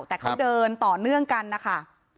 แต่เขาเดินต่อเนื่องกันนะคะ